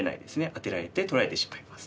アテられて取られてしまいます。